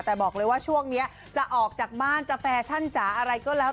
แต่บอกเลยว่าช่วงนี้จะออกจากบ้านจะแฟชั่นจ๋าอะไรก็แล้ว